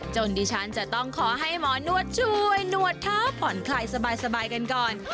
ดิฉันจะต้องขอให้หมอนวดช่วยนวดเท้าผ่อนคลายสบายกันก่อน